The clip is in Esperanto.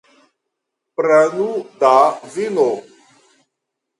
Prenu da vino.